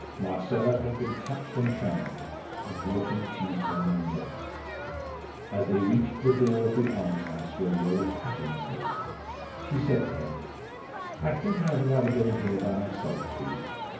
Marcella had been touched and charmed, and Wharton teased her no more. As they reached the door of the almshouse where the old Pattons lived, she said to him: "I think I had rather go in here by myself, please.